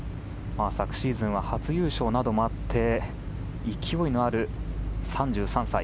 昨シーズンは初優勝などもあって勢いのある３３歳。